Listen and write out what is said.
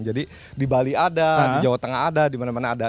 jadi di bali ada di jawa tengah ada di mana mana ada